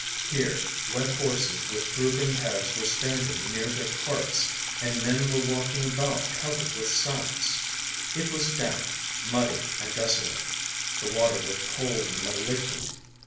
Here wet horses with drooping heads were standing near their carts, and men were walking about covered with sacks. It was damp, muddy, and desolate; the water looked cold and malignant.